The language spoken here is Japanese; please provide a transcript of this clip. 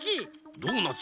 ドーナツ。